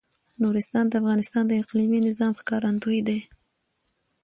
نورستان د افغانستان د اقلیمي نظام ښکارندوی ده.